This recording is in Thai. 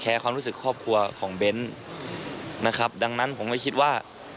ความรู้สึกครอบครัวของเบ้นนะครับดังนั้นผมไม่คิดว่า